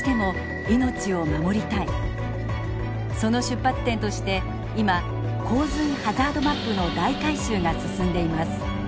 その出発点として今洪水ハザードマップの大改修が進んでいます。